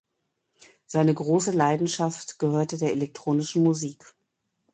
Seine grosse Leidenschaft gehörte der elektronischen Musik.